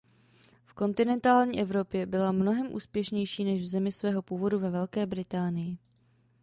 V kontinentální Evropě byla mnohem úspěšnější než v zemi svého původu ve Velké Británii.